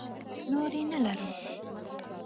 نورې نه لرم.